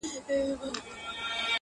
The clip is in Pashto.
جل وهلی سوځېدلی د مودو مودو راهیسي,